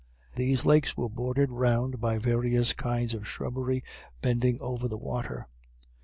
These lakes were bordered round by various kinds of shrubbery bending over the water.